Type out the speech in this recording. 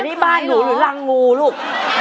นี่บ้านหนูหรือรังงูลูก